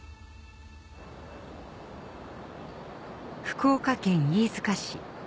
福岡県飯塚市